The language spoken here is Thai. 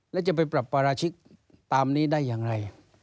และจะไปปรับปราชิกตามนี้ได้อย่างไร